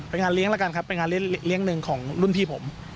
เป็นงานเลี้ยงแล้วกันครับเป็นงานเลี้ยงหนึ่งของรุ่นพี่ผม